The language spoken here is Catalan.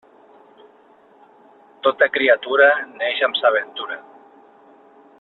Tota criatura neix amb sa ventura.